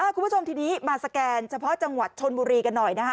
คุณผู้ชมทีนี้มาสแกนเฉพาะจังหวัดชนบุรีกันหน่อยนะคะ